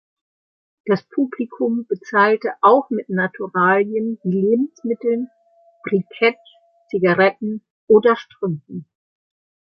Das Publikum bezahlte auch mit Naturalien wie Lebensmitteln, Briketts, Zigaretten oder Strümpfen.